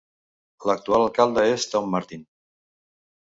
L'actual alcalde és Tom Martin.